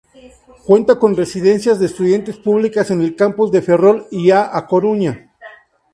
Cuenta con residencias de estudiantes públicas en los campus de Ferrol y A Coruña.